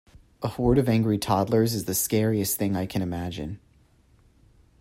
A horde of angry toddlers is the scariest thing I can imagine.